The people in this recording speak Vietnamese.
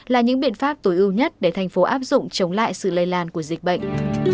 là những biện pháp tối ưu nhất để thành phố áp dụng chống lại sự lây lan của dịch bệnh